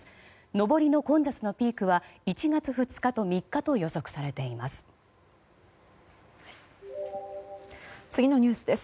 上りの混雑のピークは１月２日と３日と予測されています。